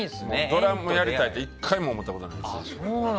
ドラムやりたいって１回も思ったことないし。